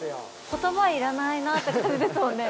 言葉いらないなって感じですもんね。